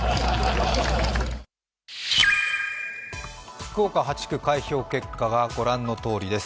福岡８区、開票結果が御覧のとおりです。